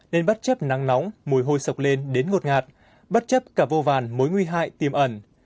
nên bất chấp nắng nóng mùi hôi sọc lên đến ngột ngạt bất chấp cả vô vàn mối nguy hại tiềm ẩn